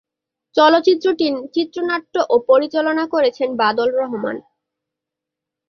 চলচ্চিত্রটির চিত্রনাট্য ও পরিচালনা করেছেন বাদল রহমান।